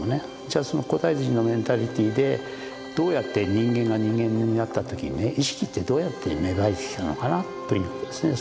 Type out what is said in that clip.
じゃあその古代人のメンタリティーでどうやって人間が人間になった時にね意識ってどうやって芽生えてきたのかなということですね。